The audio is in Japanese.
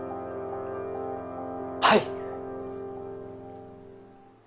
はい！